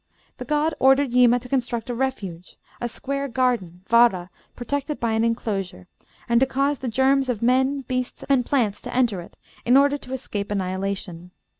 The god ordered Yima to construct a refuge, a square garden, vara, protected by an enclosure, and to cause the germs of men, beasts, and plants to enter it, in order to escape annihilation.